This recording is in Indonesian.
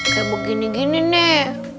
kayak begini gini nih